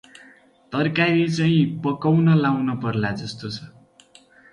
तरकारी चाहिँ पकाउन लगाउन पर्ला जस्तो छ ।